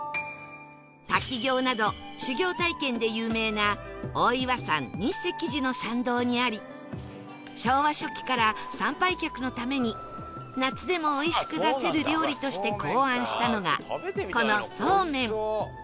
滝行など修行体験で有名な大岩山日石寺の参道にあり昭和初期から参拝客のために夏でもおいしく出せる料理として考案したのがこのそうめん